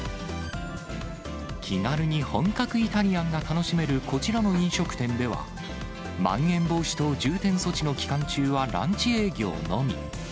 気軽に本格イタリアンが楽しめるこちらの飲食店では、まん延防止等重点措置の期間中はランチ営業のみ。